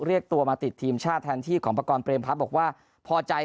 เรียกตัวมาติดทีมชาติแทนที่ของประกอบเรมพักบอกว่าพอใจ